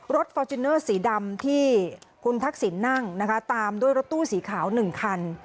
ฟอร์จูเนอร์สีดำที่คุณทักษิณนั่งนะคะตามด้วยรถตู้สีขาว๑คัน